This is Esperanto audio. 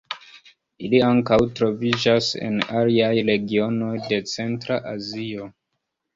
Ili ankaŭ troviĝas en aliaj regionoj de Centra Azio.